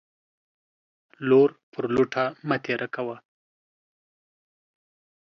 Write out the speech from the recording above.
لور پر لوټه مه تيره کوه.